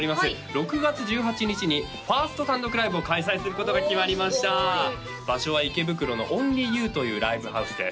６月１８日に１ｓｔ単独ライブを開催することが決まりました場所は池袋のＯｎｌｙＹｏｕというライブハウスです